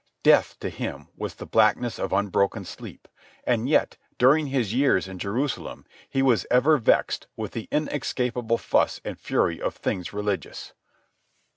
Death, to him, was the blackness of unbroken sleep; and yet, during his years in Jerusalem, he was ever vexed with the inescapable fuss and fury of things religious.